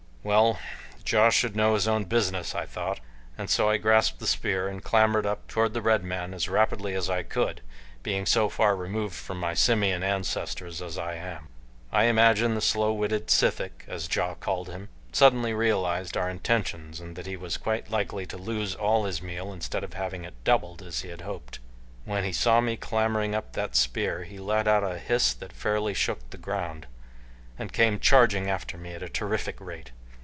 Well, Ja should know his own business, I thought, and so I grasped the spear and clambered up toward the red man as rapidly as I could being so far removed from my simian ancestors as I am. I imagine the slow witted sithic, as Ja called him, suddenly realized our intentions and that he was quite likely to lose all his meal instead of having it doubled as he had hoped. When he saw me clambering up that spear he let out a hiss that fairly shook the ground, and came charging after me at a terrific rate.